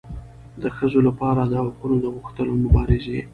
د ښځو لپاره د حقونو د غوښتلو مبارزې